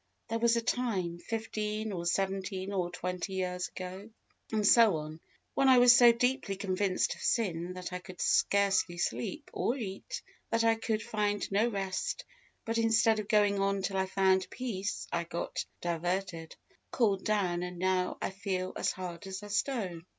There was a time, fifteen, or seventeen, or twenty years ago," and so on, "when I was so deeply convinced of sin that I could scarcely sleep, or eat that I could find no rest; but, instead of going on till I found peace, I got diverted, cooled down, and now, I feel as hard as a stone."